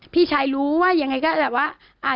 พี่ชายรู้ว่ายังไงก็แบบว่า